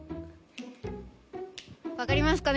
分かりますかね？